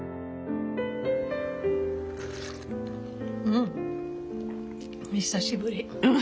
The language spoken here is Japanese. うん久しぶり。